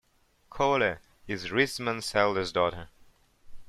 Cole is Rissman's eldest daughter.